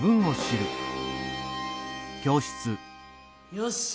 よし！